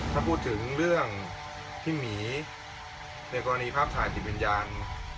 ถ้าพูดถึงเรื่องพี่หมีในกรณีภาพถ่ายติดวิญญาณ